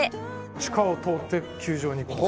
地下を通って球場に行くんです。